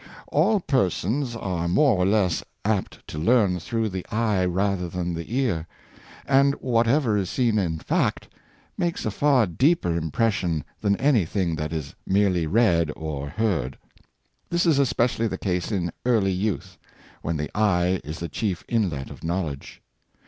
All persons are more or less apt to learn through the eye rather than the ear; and, whatever is seen in fact, makes a far deeper impression than any thing that is merely read or heard. This is especially the case in early youth, when the eye is the chief inlet of knowl edge.